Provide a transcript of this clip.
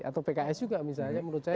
atau pks juga misalnya menurut saya